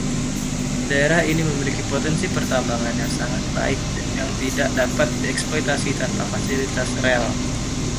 Daerah ini memiliki potensi pertambangan yang sangat baik yang tidak dapat dieksploitasi tanpa fasilitas rel.